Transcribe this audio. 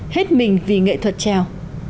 hết mình vì nghệ thuật trèo